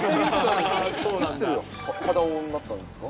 いつ肌男になったんですか？